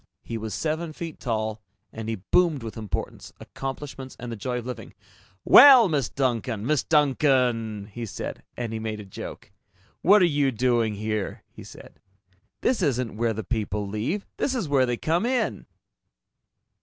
He was seven feet tall, and he boomed with importance, accomplishments, and the joy of living. "Well, Miss Duncan! Miss Duncan!" he said, and he made a joke. "What are you doing here?" he said. "This isn't where the people leave. This is where they come in!"